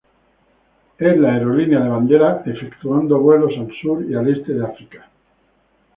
Es la aerolínea de bandera efectuando vuelos al sur y el este de África.